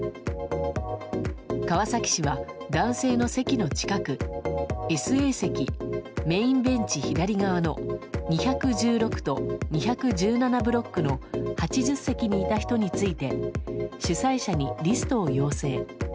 川崎市は男性の席の近くＳＡ席メインベンチ左側の２１６と２１７ブロックの８０席にいた人について主催者にリストを要請。